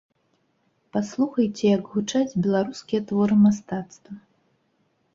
Паслухайце, як гучаць беларускія творы мастацтва!